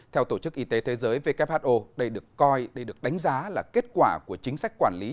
theo tổ chức y tế thế giới who đây được coi đây được đánh giá là kết quả của chính sách quản lý